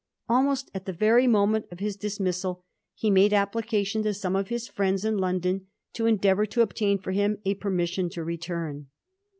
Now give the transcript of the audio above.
Almost at the very moment of his dis missal, he made application to some of his fiiends in London to endeavour to obtain for him a per mission to return.